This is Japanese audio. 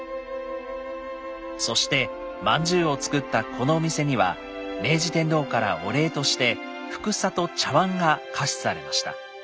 そしてまんじゅうを作ったこのお店には明治天皇からお礼としてふくさと茶わんが下賜されました。